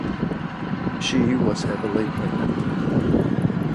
She was heavily pregnant.